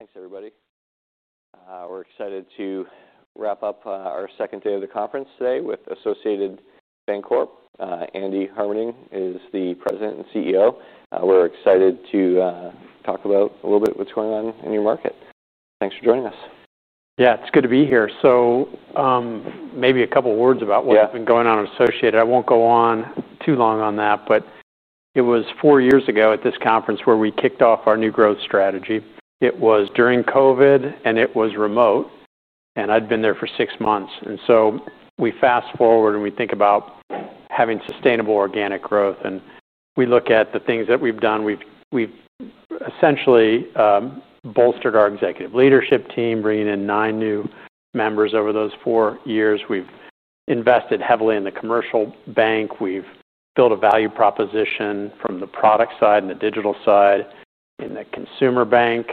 Thanks, everybody. We're excited to wrap up our second day of the conference today with Associated Banc-Corp. Andy Harmening is the President and CEO. We're excited to talk about a little bit what's going on in your market. Thanks for joining us. Yeah, it's good to be here. Maybe a couple of words about what's been going on at Associated. I won't go on too long on that, but it was four years ago at this conference where we kicked off our new growth strategy. It was during COVID, and it was remote, and I'd been there for six months. We fast forward and we think about having sustainable organic growth. We look at the things that we've done. We've essentially bolstered our executive leadership team, bringing in nine new members over those four years. We've invested heavily in the commercial bank. We've built a value proposition from the product side and the digital side in the consumer bank.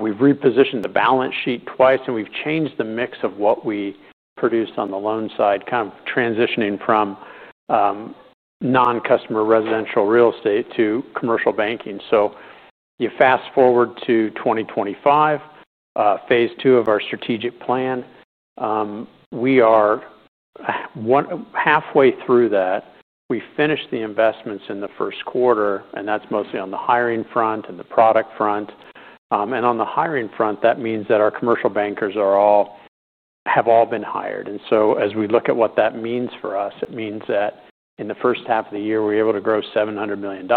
We've repositioned the balance sheet twice, and we've changed the mix of what we produce on the loan side, kind of transitioning from non-customer residential real estate to commercial banking. You fast forward to 2025, phase two of our strategic plan. We are halfway through that. We finished the investments in the first quarter, and that's mostly on the hiring front and the product front. On the hiring front, that means that our commercial bankers have all been hired. As we look at what that means for us, it means that in the first half of the year, we were able to grow $700 million.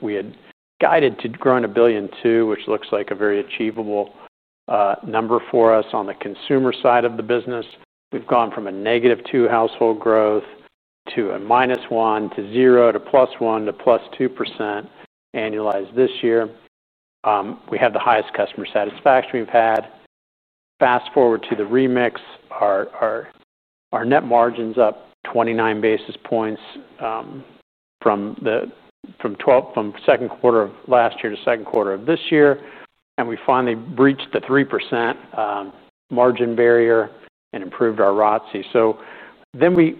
We had guided to growing $1.2 billion, which looks like a very achievable number for us. On the consumer side of the business, we've gone from a negative two household growth to a -1%, to 0%, to +1%, to +2% annualized this year. We have the highest customer satisfaction we've had. Fast forward to the remix, our net margin's up 29 basis points from the second quarter of last year to the second quarter of this year. We finally breached the 3% margin barrier and improved our ROTC.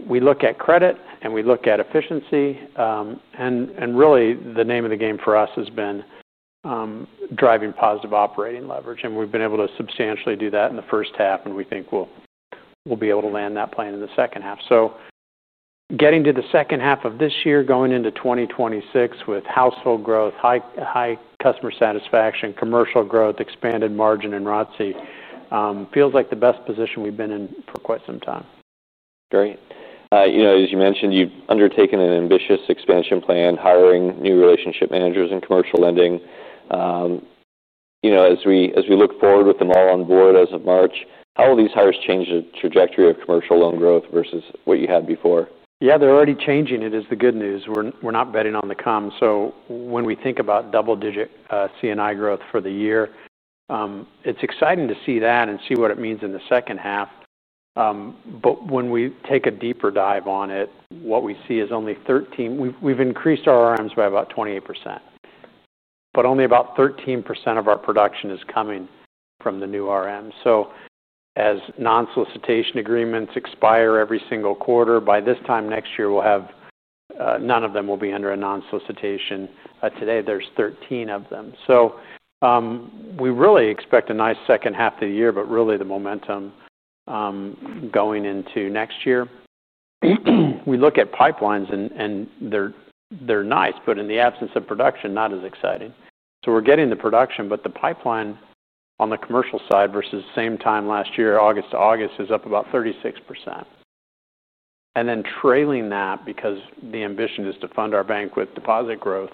We look at credit and we look at efficiency. Really, the name of the game for us has been driving positive operating leverage. We've been able to substantially do that in the first half, and we think we'll be able to land that plan in the second half. Getting to the second half of this year, going into 2026 with household growth, high customer satisfaction, commercial growth, expanded margin, and ROTC feels like the best position we've been in for quite some time. Great. As you mentioned, you've undertaken an ambitious expansion plan, hiring new relationship managers in commercial lending. As we look forward with them all on board as of March, how will these hires change the trajectory of commercial loan growth versus what you had before? Yeah, they're already changing. It is the good news. We're not betting on the come. When we think about double-digit C&I growth for the year, it's exciting to see that and see what it means in the second half. When we take a deeper dive on it, what we see is only 13%. We've increased our RMs by about 28%, but only about 13% of our production is coming from the new RM. As non-solicitation agreements expire every single quarter, by this time next year, none of them will be under a non-solicitation. Today, there's 13 of them. We really expect a nice second half of the year, but really the momentum going into next year. We look at pipelines and they're nice, but in the absence of production, not as exciting. We're getting the production, but the pipeline on the commercial side versus the same time last year, August to August, is up about 36%. Trailing that, because the ambition is to fund our bank with deposit growth,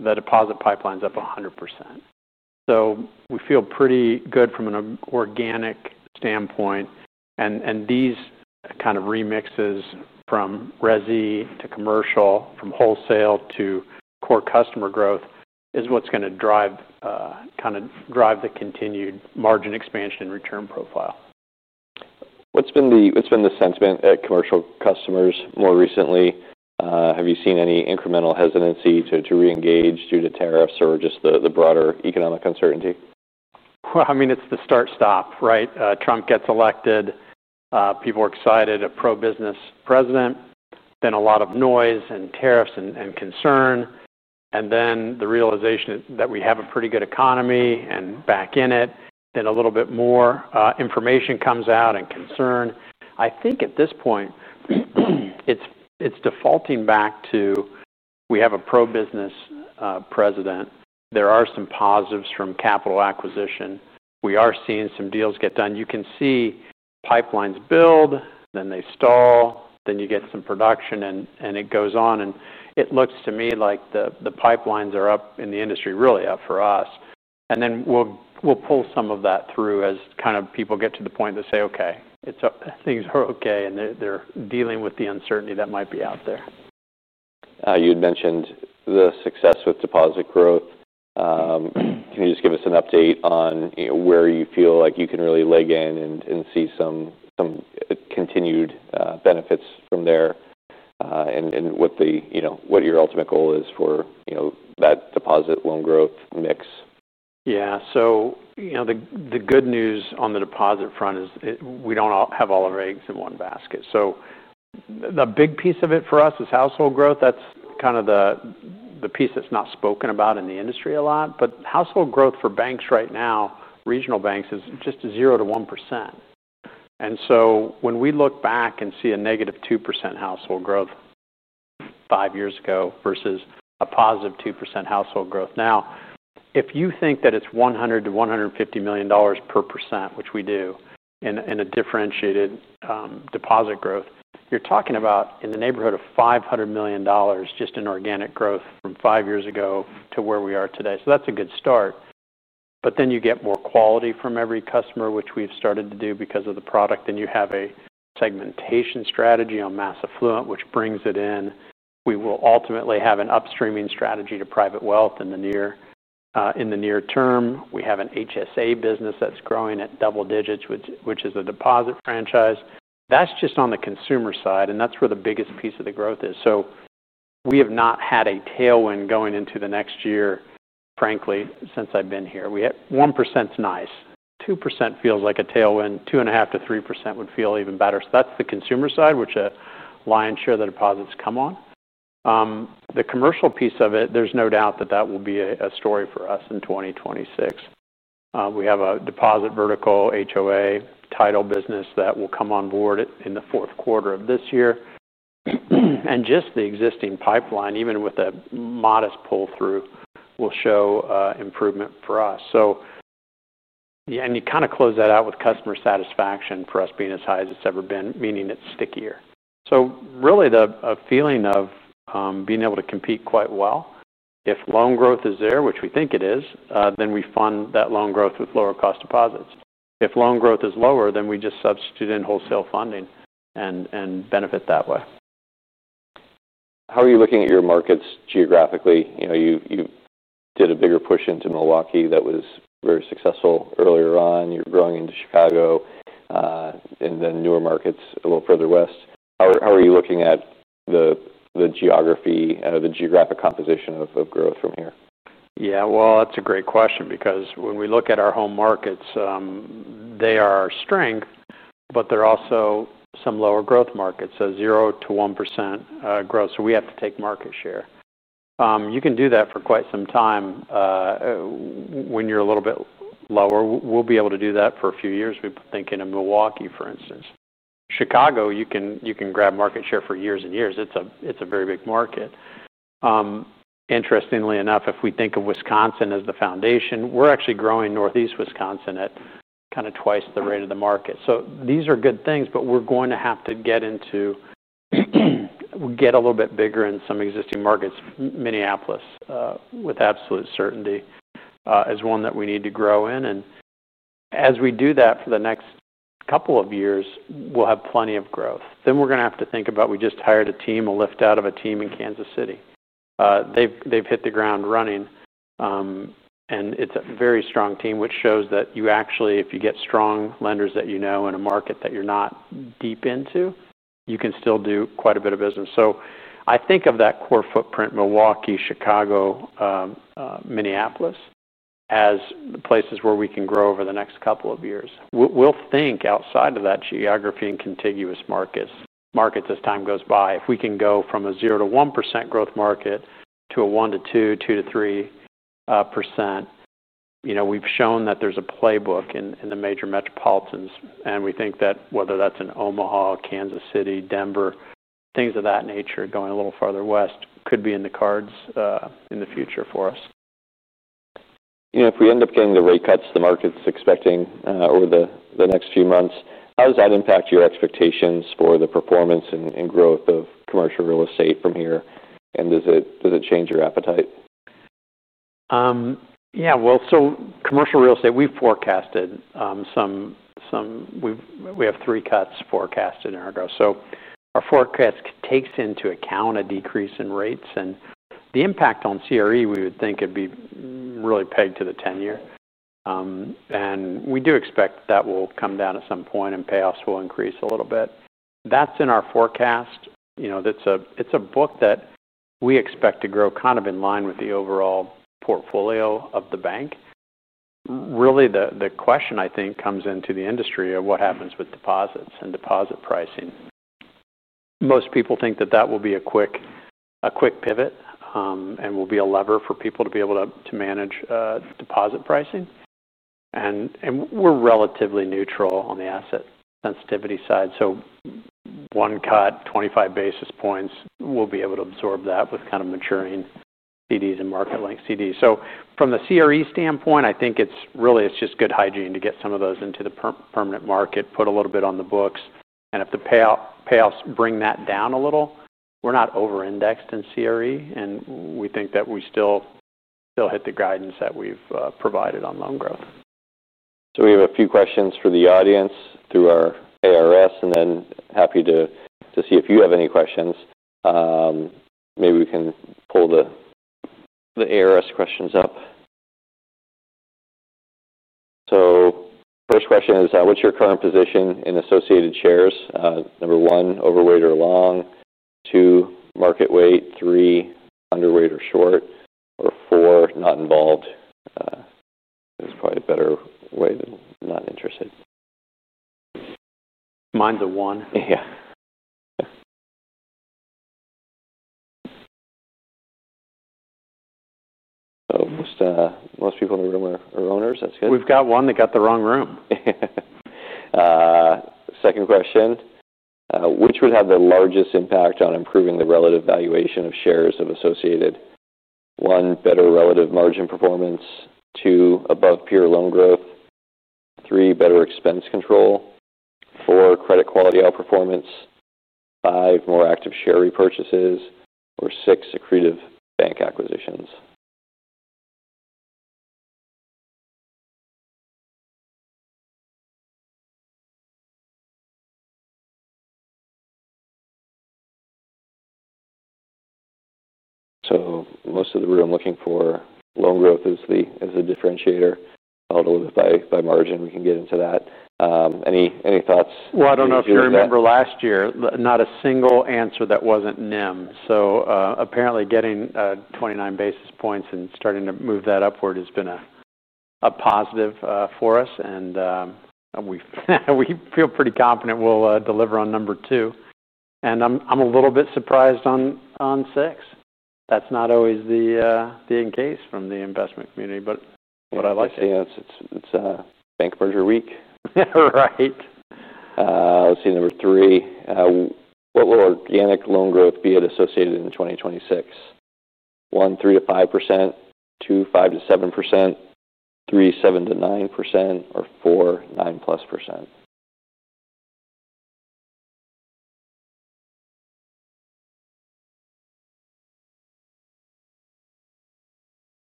the deposit pipeline's up 100%. We feel pretty good from an organic standpoint. These kind of remixes from resi to commercial, from wholesale to core customer growth, are what's going to drive the continued margin expansion and return profile. What's been the sentiment at commercial customers more recently? Have you seen any incremental hesitancy to re-engage due to tariffs or just the broader economic uncertainty? It’s the start-stop, right? Trump gets elected, people are excited, a pro-business president, then a lot of noise and tariffs and concern. Then the realization that we have a pretty good economy and back in it, then a little bit more information comes out and concern. I think at this point, it's defaulting back to we have a pro-business president. There are some positives from capital acquisition. We are seeing some deals get done. You can see pipelines build, then they stall, then you get some production, and it goes on. It looks to me like the pipelines are up and the industry really up for us. Then we'll pull some of that through as kind of people get to the point to say, okay, things are okay and they're dealing with the uncertainty that might be out there. You had mentioned the success with deposit growth. Can you just give us an update on where you feel like you can really leg in and see some continued benefits from there, and what your ultimate goal is for that deposit loan growth mix? Yeah, the good news on the deposit front is we don't have all of our eggs in one basket. The big piece of it for us is household growth. That's kind of the piece that's not spoken about in the industry a lot. Household growth for banks right now, regional banks, is just a 0%-1%. When we look back and see a -2% household growth five years ago versus a +2% household growth now, if you think that it's $100 million-$150 million per percent, which we do in a differentiated deposit growth, you're talking about in the neighborhood of $500 million just in organic growth from five years ago to where we are today. That's a good start. You get more quality from every customer, which we've started to do because of the product. You have a segmentation strategy on Nassef Sawiris, which brings it in. We will ultimately have an upstreaming strategy to private wealth in the near term. We have a HSA business that's growing at double digits, which is a deposit franchise. That's just on the consumer side, and that's where the biggest piece of the growth is. We have not had a tailwind going into the next year, frankly, since I've been here. 1% is nice. 2% feels like a tailwind. 2.5%-3% would feel even better. That's the consumer side, which a lion's share of the deposits come on. The commercial piece of it, there's no doubt that that will be a story for us in 2026. We have a deposit vertical HOA title business that will come on board in the fourth quarter of this year. Just the existing pipeline, even with a modest pull-through, will show improvement for us. You close that out with customer satisfaction for us being as high as it's ever been, meaning it's stickier. Really a feeling of being able to compete quite well. If loan growth is there, which we think it is, then we fund that loan growth with lower cost deposits. If loan growth is lower, we just substitute in wholesale funding and benefit that way. How are you looking at your markets geographically? You did a bigger push into Milwaukee that was very successful earlier on. You're growing into Chicago, and then newer markets a little further west. How are you looking at the geography, the geographic composition of growth from here? Yeah, that's a great question because when we look at our home markets, they are our strength, but they're also some lower growth markets, so 0%-1% growth. We have to take market share. You can do that for quite some time when you're a little bit lower. We'll be able to do that for a few years. We've been thinking of Milwaukee, for instance. Chicago, you can grab market share for years and years. It's a very big market. Interestingly enough, if we think of Wisconsin as the foundation, we're actually growing Northeast Wisconsin at kind of twice the rate of the market. These are good things, but we're going to have to get a little bit bigger in some existing markets. Minneapolis, with absolute certainty, is one that we need to grow in. As we do that for the next couple of years, we'll have plenty of growth. We just hired a team, a lift out of a team in Kansas City. They've hit the ground running, and it's a very strong team, which shows that if you get strong lenders that you know in a market that you're not deep into, you can still do quite a bit of business. I think of that core footprint, Milwaukee, Chicago, Minneapolis, as the places where we can grow over the next couple of years. We'll think outside of that geography and contiguous markets as time goes by. If we can go from a 0%-1% growth market to a 1%-2%, 2%-3% growth market, we've shown that there's a playbook in the major metropolitans. We think that whether that's in Omaha, Kansas City, Denver, things of that nature going a little farther west could be in the cards in the future for us. If we end up getting the rate cuts the market's expecting over the next few months, how does that impact your expectations for the performance and growth of commercial real estate from here? Does it change your appetite? Yeah, commercial real estate, we've forecasted some, we have three cuts forecasted in our growth. Our forecast takes into account a decrease in rates. The impact on CRE, we would think it'd be really pegged to the 10-year. We do expect that will come down at some point and payoffs will increase a little bit. That's in our forecast. It's a book that we expect to grow kind of in line with the overall portfolio of the bank. The question I think comes into the industry of what happens with deposits and deposit pricing. Most people think that will be a quick pivot and will be a lever for people to be able to manage deposit pricing. We're relatively neutral on the asset sensitivity side. One cut, 25 basis points, we'll be able to absorb that with kind of maturing CDs and market length CDs. From a CRE standpoint, I think it's really just good hygiene to get some of those into the permanent market, put a little bit on the books. If the payoffs bring that down a little, we're not over-indexed in CRE, and we think that we still hit the guidance that we've provided on loan growth. We have a few questions for the audience through our ARS, and then happy to see if you have any questions. Maybe we can pull the ARS questions up. First question is, what's your current position in Associated shares? Number one, overweight or long. Two, market weight. Three, underweight or short. Four, not involved. It's probably a better way than not interested. Mine's a one. Yeah, most people in the room are owners. That's good. We've got one that got the wrong room. Second question. Which would have the largest impact on improving the relative valuation of shares of Associated? One, better relative margin performance. Two, above peer loan growth. Three, better expense control. Four, credit quality outperformance. Five, more active share repurchases. Six, secretive bank acquisitions. Most of the room is looking for loan growth as a differentiator, followed a little bit by margin. We can get into that. Any thoughts? I don't know if you remember last year, not a single answer that wasn't NIM. Apparently, getting 29 basis points and starting to move that upward has been a positive for us. We feel pretty confident we'll deliver on number two. I'm a little bit surprised on six. That's not always the end case from the investment community, but what I like to hear. Yeah, it's a bank merger week. Right. Let's see, number three. What will organic loan growth be at Associated in 2026? One, 3%-5%. Two, 5%-7%. Three, 7%-9%. Four, 9%+.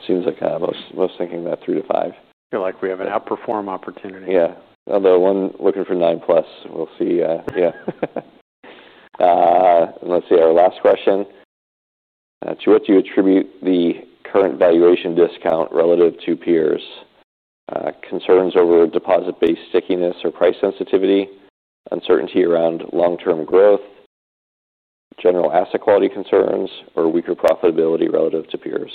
It seems like most thinking that 3%-5%. I feel like we have an outperform opportunity. Yeah, although one looking for nine plus, we'll see. Let's see, our last question. To what do you attribute the current valuation discount relative to peers? Concerns over deposit-based stickiness or price sensitivity? Uncertainty around long-term growth? General asset quality concerns? Or weaker profitability relative to peers?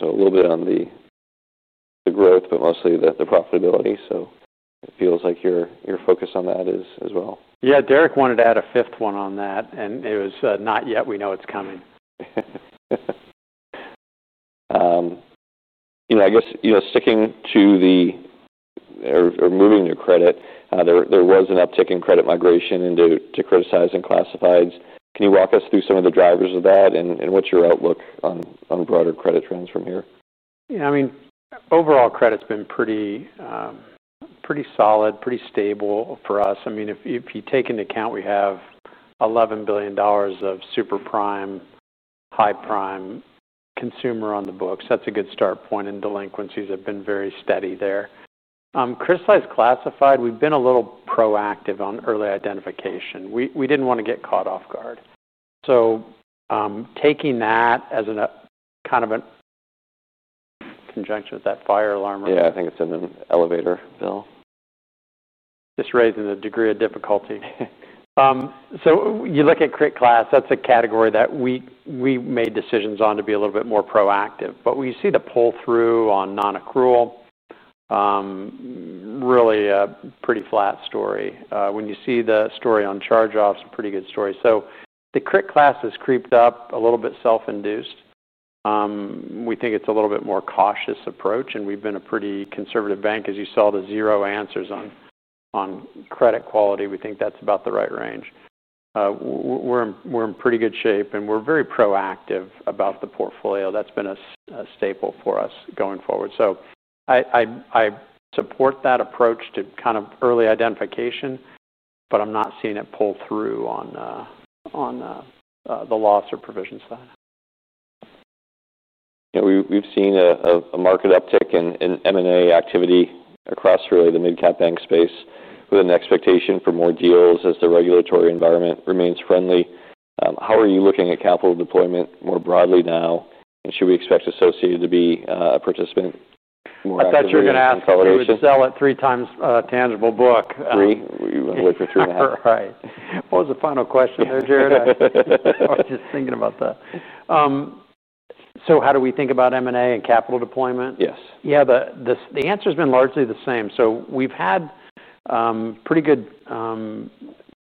A little bit on the growth, but mostly the profitability. It feels like your focus on that is as well. Yeah, Derek wanted to add a fifth one on that, and it was not yet. We know it's coming. I guess, sticking to the, or moving your credit, there was an uptick in credit migration into classified credits. Can you walk us through some of the drivers of that and what's your outlook on broader credit trends from here? Yeah, I mean, overall credit's been pretty solid, pretty stable for us. I mean, if you take into account we have $11 billion of super prime, high prime consumer on the books, that's a good start point, and delinquencies have been very steady there. Credit size classified, we've been a little proactive on early identification. We didn't want to get caught off guard, taking that as a kind of a conjunction with that fire alarm. Yeah, I think it's in an elevator bill. Just raising the degree of difficulty. You look at [Crit Class], that's a category that we made decisions on to be a little bit more proactive. When you see the pull-through on non-accrual, really a pretty flat story. When you see the story on charge-offs, a pretty good story. The [Crit Class] has creeped up a little bit, self-induced. We think it's a little bit more cautious approach, and we've been a pretty conservative bank. As you saw, the zero answers on credit quality, we think that's about the right range. We're in pretty good shape, and we're very proactive about the portfolio. That's been a staple for us going forward. I support that approach to kind of early identification, but I'm not seeing it pull through on the loss or provision side. Yeah, we've seen a marked uptick in M&A activity across really the mid-cap bank space with an expectation for more deals as the regulatory environment remains friendly. How are you looking at capital deployment more broadly now? Should we expect Associated to be a participant? I thought you were going to ask if we could sell at 3x tangible book. Three? We want to look for 3.5x. Right. What was the final question there, Jared? I was just thinking about that. How do we think about M&A and capital deployment? Yes. Yeah, the answer's been largely the same. We've had pretty good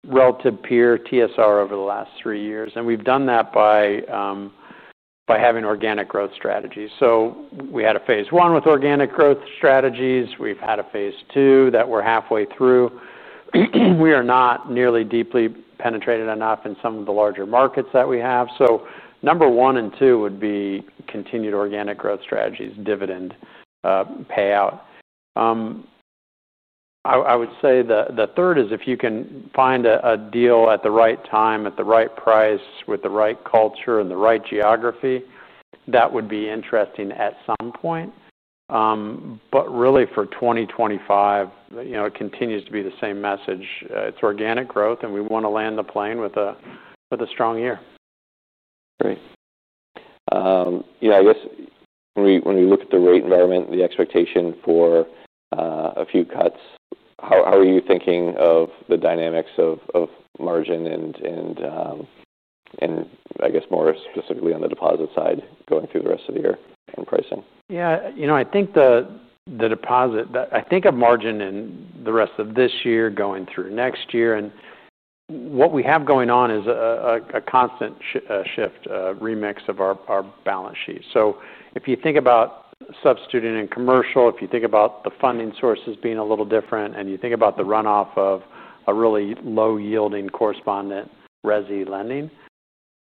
relative peer TSR over the last three years, and we've done that by having organic growth strategies. We had a phase one with organic growth strategies. We've had a phase two that we're halfway through. We are not nearly deeply penetrated enough in some of the larger markets that we have. Number one and two would be continued organic growth strategies, dividend payout. I would say the third is if you can find a deal at the right time, at the right price, with the right culture and the right geography, that would be interesting at some point. For 2025, it continues to be the same message. It's organic growth, and we want to land the plane with a strong year. Great. Yeah, I guess when we look at the rate environment, the expectation for a few cuts, how are you thinking of the dynamics of margin and, I guess, more specifically on the deposit side going through the rest of the year and pricing? Yeah, you know, I think the deposit, I think of margin in the rest of this year going through next year. What we have going on is a constant shift, a remix of our balance sheet. If you think about substituting in commercial, if you think about the funding sources being a little different, and you think about the runoff of a really low-yielding correspondent resi lending,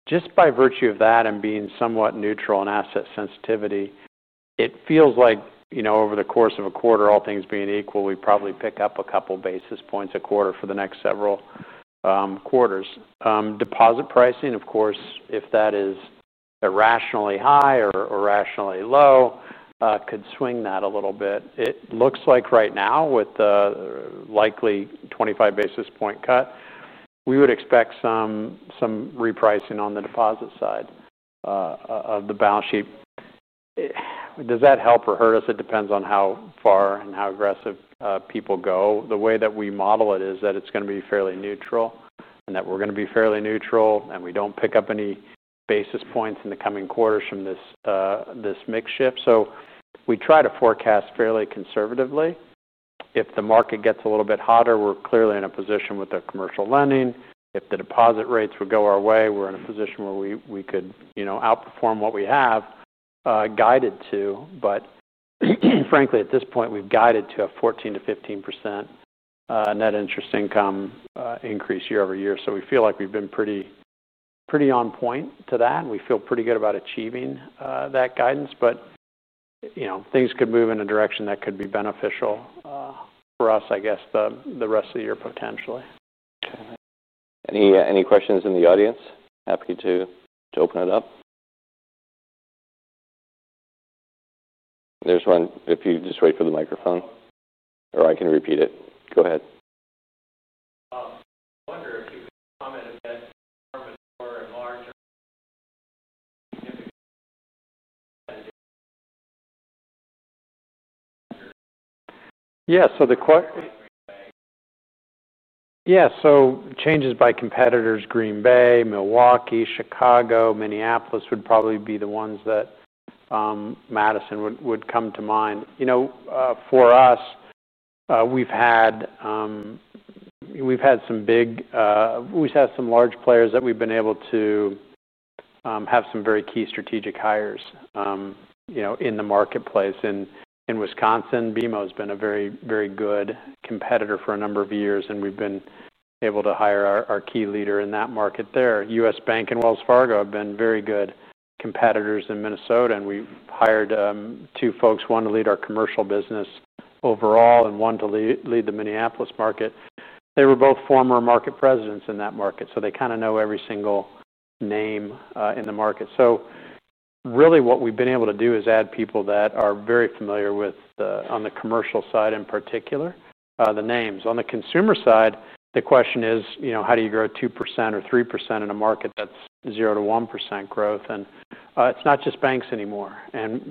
just by virtue of that and being somewhat neutral in asset sensitivity, it feels like, you know, over the course of a quarter, all things being equal, we probably pick up a couple basis points a quarter for the next several quarters. Deposit pricing, of course, if that is irrationally high or irrationally low, could swing that a little bit. It looks like right now, with the likely 25 basis point cut, we would expect some repricing on the deposit side of the balance sheet. Does that help or hurt us? It depends on how far and how aggressive people go. The way that we model it is that it's going to be fairly neutral and that we're going to be fairly neutral, and we don't pick up any basis points in the coming quarters from this mix shift. We try to forecast fairly conservatively. If the market gets a little bit hotter, we're clearly in a position with the commercial lending. If the deposit rates would go our way, we're in a position where we could, you know, outperform what we have, guided to. Frankly, at this point, we've guided to a 14%-15% net interest income increase year-over-year. We feel like we've been pretty on point to that, and we feel pretty good about achieving that guidance. Things could move in a direction that could be beneficial for us, I guess, the rest of the year, potentially. Okay. Any questions in the audience? Happy to open it up. There's one. If you just wait for the microphone, or I can repeat it. Go ahead. The question, changes by competitors, Green Bay, Milwaukee, Chicago, Minneapolis would probably be the ones that Madison would come to mind. For us, we've had some big, we've had some large players that we've been able to have some very key strategic hires in the marketplace. In Wisconsin, BMO has been a very, very good competitor for a number of years, and we've been able to hire our key leader in that market there. US Bank and Wells Fargo have been very good competitors in Minnesota, and we hired two folks, one to lead our commercial business overall and one to lead the Minneapolis market. They were both former market presidents in that market, so they kind of know every single name in the market. What we've been able to do is add people that are very familiar with the commercial side in particular, the names. On the consumer side, the question is, how do you grow 2% or 3% in a market that's 0%-1% growth? It's not just banks anymore.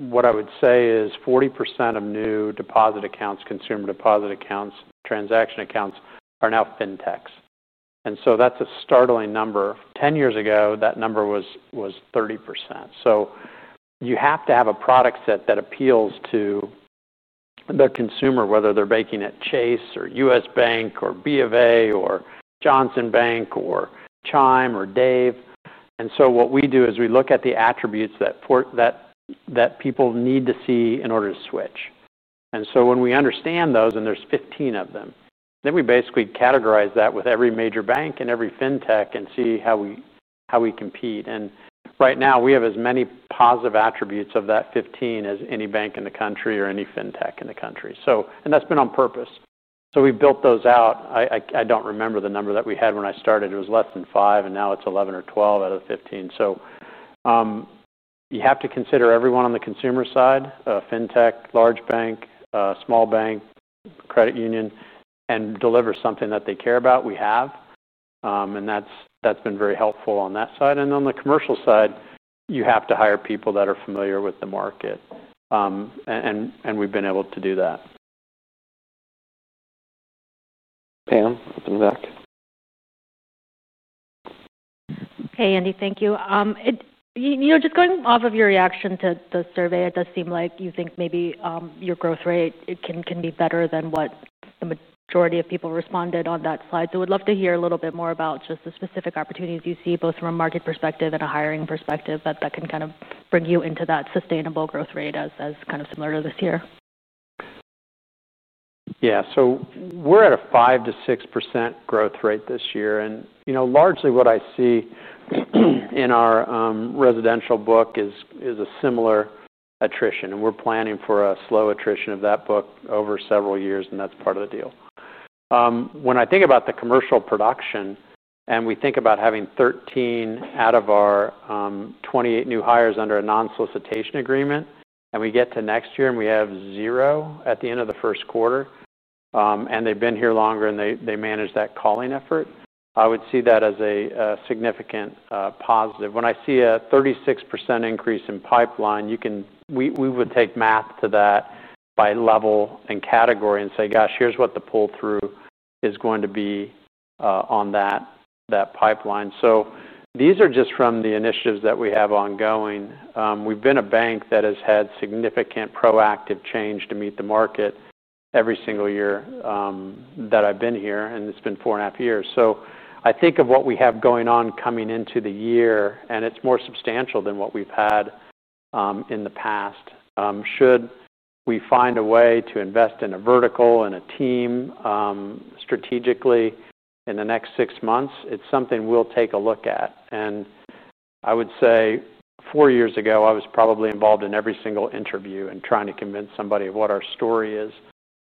What I would say is 40% of new deposit accounts, consumer deposit accounts, transaction accounts are now fintechs. That's a startling number. Ten years ago, that number was 30%. You have to have a product set that appeals to the consumer, whether they're banking at Chase or US Bank or BofA or Johnson Bank or Chime or Dave. What we do is we look at the attributes that people need to see in order to switch. When we understand those, and there's 15 of them, then we basically categorize that with every major bank and every fintech and see how we compete. Right now, we have as many positive attributes of that 15 as any bank in the country or any fintech in the country. That's been on purpose. We built those out. I don't remember the number that we had when I started. It was less than five, and now it's 11 or 12 out of the 15. You have to consider everyone on the consumer side, a fintech, large bank, small bank, credit union, and deliver something that they care about. We have, and that's been very helpful on that side. On the commercial side, you have to hire people that are familiar with the market, and we've been able to do that. Pam, up in the back. Hey, Andy, thank you. Just going off of your reaction to the survey, it does seem like you think maybe your growth rate can be better than what the majority of people responded on that slide. I would love to hear a little bit more about just the specific opportunities you see, both from a market perspective and a hiring perspective, that can kind of bring you into that sustainable growth rate as kind of similar to this year. Yeah, so we're at a 5%-6% growth rate this year. Largely what I see in our residential book is a similar attrition. We're planning for a slow attrition of that book over several years, and that's part of the deal. When I think about the commercial production, and we think about having 13 out of our 28 new hires under a non-solicitation agreement, and we get to next year and we have zero at the end of the first quarter, and they've been here longer and they manage that calling effort, I would see that as a significant positive. When I see a 36% increase in pipeline, you can, we would take math to that by level and category and say, gosh, here's what the pull-through is going to be on that pipeline. These are just from the initiatives that we have ongoing. We've been a bank that has had significant proactive change to meet the market every single year that I've been here, and it's been four and a half years. I think of what we have going on coming into the year, and it's more substantial than what we've had in the past. Should we find a way to invest in a vertical and a team strategically in the next six months, it's something we'll take a look at. Four years ago, I was probably involved in every single interview and trying to convince somebody of what our story is.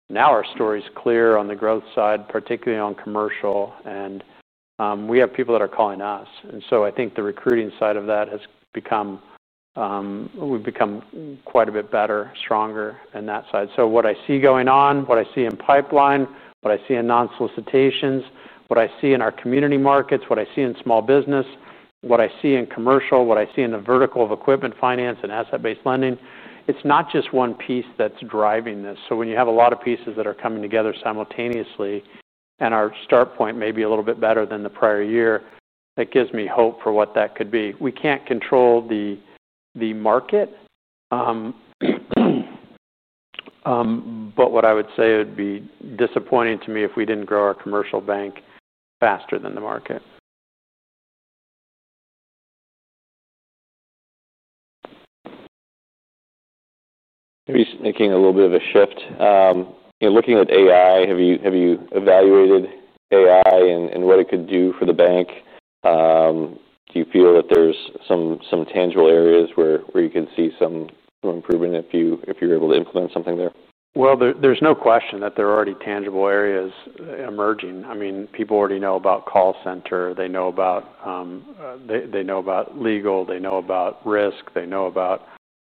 Now our story is clear on the growth side, particularly on commercial, and we have people that are calling us. I think the recruiting side of that has become, we've become quite a bit better, stronger in that side. What I see going on, what I see in pipeline, what I see in non-solicitations, what I see in our community markets, what I see in small business, what I see in commercial, what I see in the vertical of equipment finance and asset-based lending, it's not just one piece that's driving this. When you have a lot of pieces that are coming together simultaneously, and our start point may be a little bit better than the prior year, that gives me hope for what that could be. We can't control the market, but what I would say would be disappointing to me if we didn't grow our commercial bank faster than the market. Maybe making a little bit of a shift. You know, looking at AI, have you evaluated AI and what it could do for the bank? Do you feel that there's some tangible areas where you could see some improvement if you're able to implement something there? There is no question that there are already tangible areas emerging. People already know about call center, legal, risk, and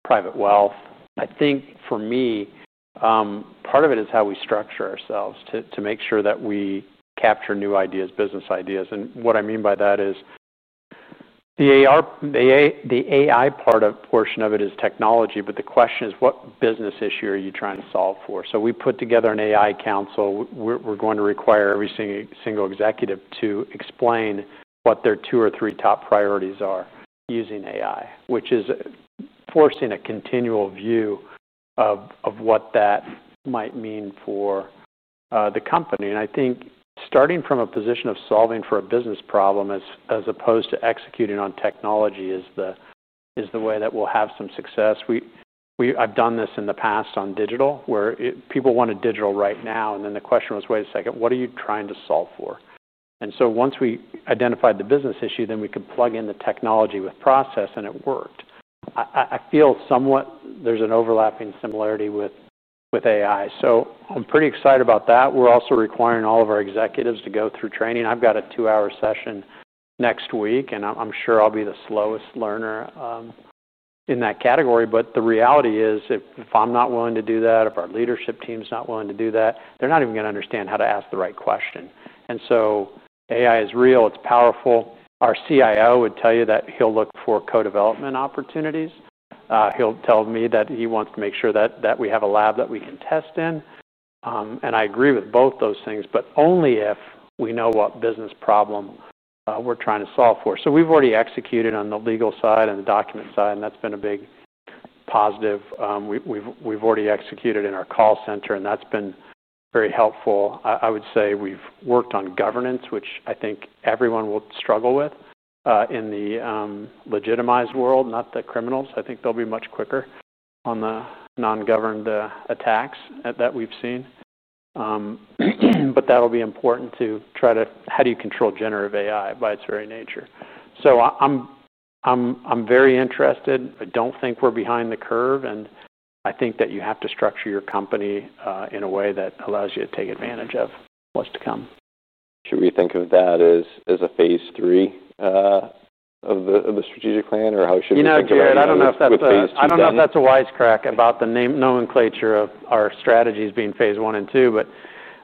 private wealth. I think for me, part of it is how we structure ourselves to make sure that we capture new ideas, business ideas. What I mean by that is the AI part of the portion of it is technology, but the question is what business issue are you trying to solve for? We put together an AI council. We are going to require every single executive to explain what their two or three top priorities are using AI, which is forcing a continual view of what that might mean for the company. I think starting from a position of solving for a business problem as opposed to executing on technology is the way that we will have some success. I have done this in the past on digital, where people wanted digital right now, and the question was, wait a second, what are you trying to solve for? Once we identified the business issue, then we could plug in the technology with process, and it worked. I feel somewhat there is an overlapping similarity with AI. I am pretty excited about that. We are also requiring all of our executives to go through training. I have got a two-hour session next week, and I am sure I will be the slowest learner in that category. The reality is if I am not willing to do that, if our executive leadership team is not willing to do that, they are not even going to understand how to ask the right question. AI is real. It is powerful. Our CIO would tell you that he will look for co-development opportunities. He will tell me that he wants to make sure that we have a lab that we can test in. I agree with both those things, but only if we know what business problem we are trying to solve for. We have already executed on the legal side and the document side, and that has been a big positive. We have already executed in our call center, and that has been very helpful. I would say we have worked on governance, which I think everyone will struggle with in the legitimized world, not the criminals. I think they will be much quicker on the non-governed attacks that we have seen. That will be important to try to figure out how you control generative AI by its very nature. I am very interested. I do not think we are behind the curve, and I think that you have to structure your company in a way that allows you to take advantage of what is to come. Should we think of that as a phase three of the strategic plan, or how should we think about that? You know, Jared, I don't know if that's a wise crack about the nomenclature of our strategies being phase one and two,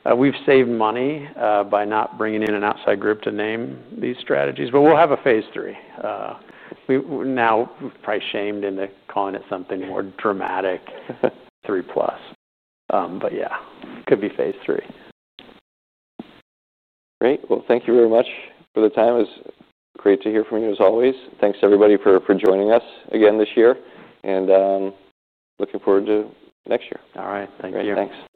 but we've saved money by not bringing in an outside group to name these strategies. We'll have a phase three. We're now probably shamed into calling it something more dramatic, three plus. Yeah, could be phase three. Great. Thank you very much for the time. It was great to hear from you as always. Thanks to everybody for joining us again this year, and looking forward to next year. All right. Thank you. Thanks.